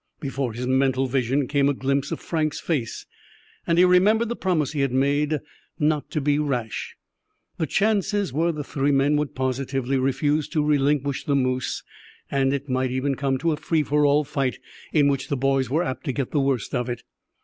Before his mental vision came a glimpse of Frank's face, and he remembered the promise he had made not to be rash. The chances were the three men would positively refuse to relinquish the moose, and it might even come to a free for all fight, in which the boys were apt to get the worst of it.